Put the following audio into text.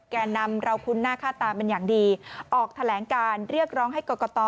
แก่นำเราคุ้นหน้าค่าตาเป็นอย่างดีออกแถลงการเรียกร้องให้กรกต